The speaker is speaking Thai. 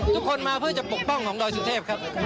ทุกคนมาเพื่อจะปกป้องของดอยสุเทพครับ